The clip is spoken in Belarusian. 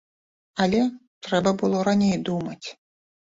Але трэба было раней думаць.